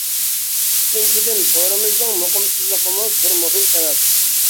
ئىككىنچىدىن، تورىمىزنىڭ مۇقىمسىزلىقىمۇ بىر مۇھىم سەۋەب.